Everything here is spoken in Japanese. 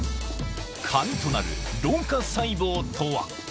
鍵となる老化細胞とは。